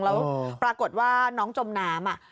แล้วปรากฏว่าน้องจมน้ำ